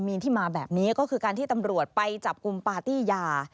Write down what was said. มีที่มาแบบนี้ก็คือการที่ตำรวจไปจับกลุ่มปาร์ตี้ยา